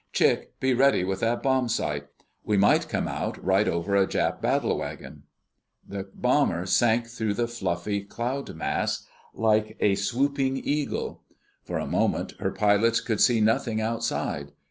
Chick, be ready with that bombsight! We might come out right over a Jap battlewagon!" The bomber sank through the fluffy cloud mass like a swooping eagle. For a moment her pilots could see nothing outside.